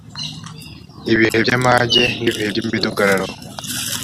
ibihe by amage n ibihe by imidugararo